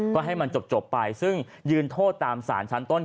ก็ให้มันจบไปซึ่งยืนโทษตามสารชั้นต้น